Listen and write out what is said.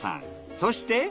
そして。